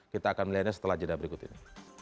kita akan melihatnya setelah jeda berikut ini